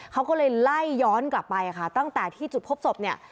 เขาก็เลยไล่ย้อนกลับไปค่ะตั้งแต่ที่จุดพบศพเนี่ย